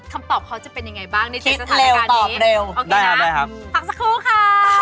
คำตอบเขาจะเป็นยังไงบ้างในสถานการณ์นี้คิดเร็วตอบเร็วได้ครับพักสักครู่ค่ะ